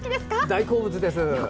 大好物です。